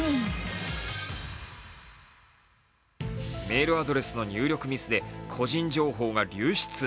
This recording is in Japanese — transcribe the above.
メールアドレスの入力ミスで個人情報が流出。